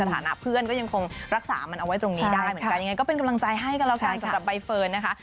ก็คงเป็นประสบการณ์ที่ทำให้เราได้เจอ